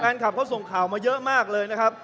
แฟนคลับเขาส่งข่าวมาเยอะมากเลยนะครับ